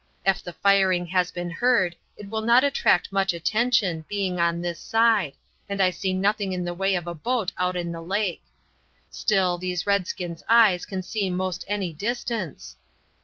Ef the firing has been heard it will not attract much attention, being on this side, and I see nothing in the way of a boat out in the lake. Still, these redskins' eyes can see 'most any distance.